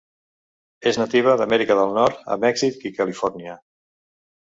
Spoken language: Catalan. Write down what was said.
És nativa d'Amèrica del Nord a Mèxic i Califòrnia.